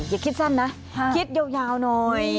อย่าคิดสั้นนะคิดยาวหน่อย